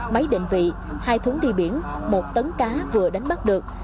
máy định vị hai thúng đi biển một tấn cá vừa đánh bắt được